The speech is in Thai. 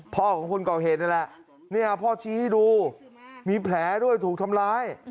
พ่อของคนก่อเหตุนี่แหละพ่อชี้ให้ดูมีแผลด้วยถูกทำร้าย